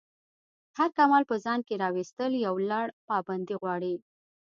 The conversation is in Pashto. هر کمال په ځان کی راویستل یو لَړ پابندی غواړی.